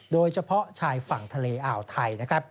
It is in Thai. โดยเฉพาะชายฝั่งทะเลอ่อไทย